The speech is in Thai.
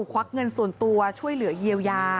ควักเงินส่วนตัวช่วยเหลือเยียวยา